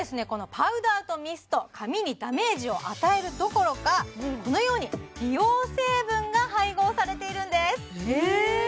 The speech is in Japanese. このパウダーとミスト髪にダメージを与えるどころかこのように美容成分が配合されているんですえ！